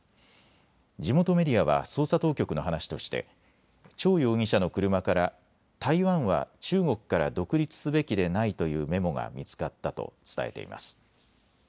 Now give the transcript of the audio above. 地元メディアは捜査当局の話としてチョウ容疑者の車から台湾は中国から独立すべきでないというメモが見つかったと伝えています。